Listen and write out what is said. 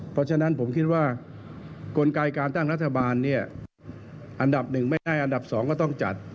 เพราะฉะนั้นผมคิดว่ากลไกการตั้งรัฐบาลเนี่ยอันดับหนึ่งไม่ได้อันดับ๒ก็ต้องจัด